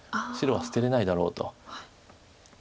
白は捨てれないだろうと。